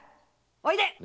おいでっ！